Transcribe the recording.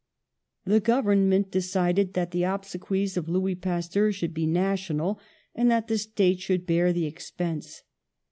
The Government decided that the obsequies of Louis Pasteur should be national and that the State should bear the expense.